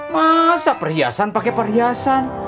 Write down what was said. masa perhiasan pake perhiasan